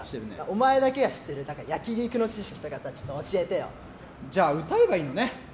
お前だけが知ってる焼き肉の知識とかあったらじゃあ、歌えばいいのね。